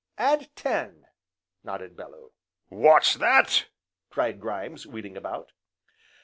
"Add ten!" nodded Bellew. "What's that?" cried Grimes, wheeling about.